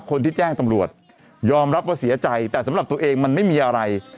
คนที่แจ้งตำรวจยอมรับว่าเสียใจแต่สำหรับตัวเองมันไม่มีอะไร